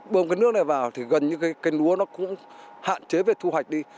bơm cái nước này vào thì gần như cái núa nó cũng hạn chế về thu hoạch đi